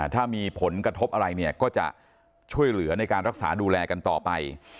ถ้ามีผลกระทบอะไรเนี่ยก็จะช่วยเหลือในการรักษาดูแลกันต่อไป